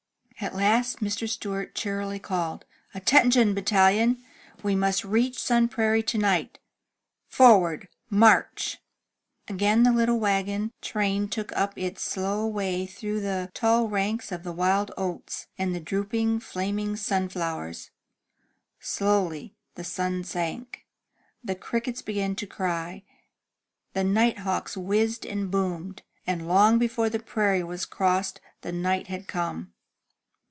At last Mr. Stewart cheerily called: "Attention, battalion! We must reach Sun Prairie to night. Forward y march!*' Again the little wagon train took up its slow way through the tall ranks of the wild oats, and the drooping, flaming sunflowers. Slowly the sun sank. The crickets began to cry, the night hawks whizzed and boomed, and long before the prairie was crossed the night had come.